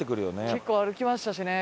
結構歩きましたしね。